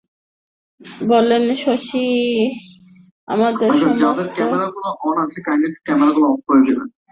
বললেন, শশী আমাদের মস্ত ডাক্তার হয়েছে, না ডাকলে আর আসা হয় না।